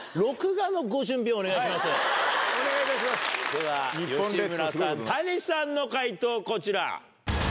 では吉村さん谷さんの解答こちら。